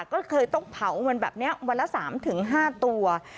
ก็เคยต้องเผามันแบบนี้วันละสามถึงห้าตัว